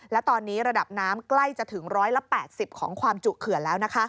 และตอนนี้ระดับน้ำใกล้จะถึง๑๘๐ของความจุเขื่อนแล้วนะคะ